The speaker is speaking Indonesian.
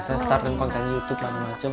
saya start dengan konten youtube dan macam macam